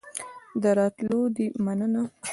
د راتلو دي مننه